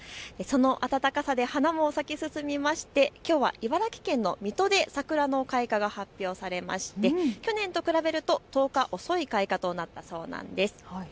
その暖かさで花も咲き進みましてきょうは茨城県の水戸で桜の開花が発表されまして、去年と比べると１０日遅い開花となったそうなんです。